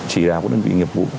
chỉ đảm các đơn vị nghiệp vụ